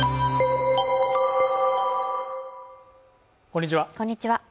こんにちは